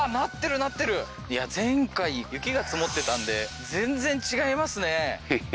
前回雪が積もってたんで全然違いますね